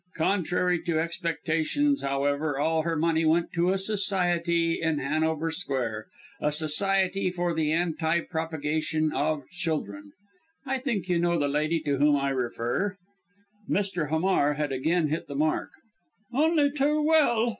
Contrary to expectations, however, all her money went to a Society in Hanover Square a Society for the Anti propagation of Children. I think you know the lady to whom I refer." Mr. Hamar had again hit the mark. "Only too well!"